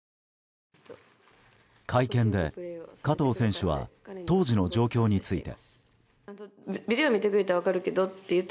会見で加藤選手は当時の状況について。